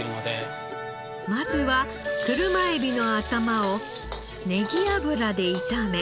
まずは車エビの頭をネギ油で炒め